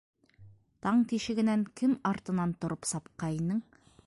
Таң тишегенән кем артынан тороп сапҡайның?